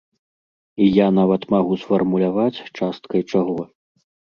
І я нават магу сфармуляваць, часткай чаго.